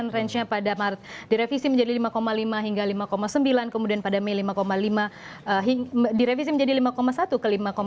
range nya pada maret direvisi menjadi lima lima hingga lima sembilan kemudian pada mei lima lima direvisi menjadi lima satu ke lima enam